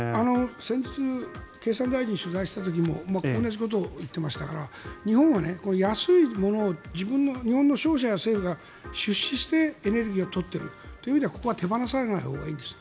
先日、経産大臣に取材した時も同じことを言っていましたから日本は安いものを日本の商社や政府が出資してエネルギーを取っているという意味ではここは手放さないほうがいいんです。